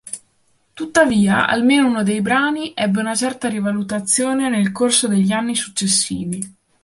Tuttavia, almeno uno dei brani ebbe una certa rivalutazione nel corso degli anni successivi.